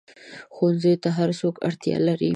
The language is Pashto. ښوونځی ته هر څوک اړتیا لري